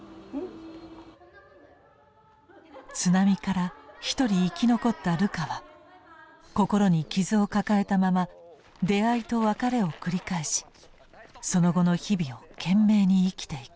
津波からひとり生き残ったルカは心に傷を抱えたまま出会いと別れを繰り返しその後の日々を懸命に生きていく。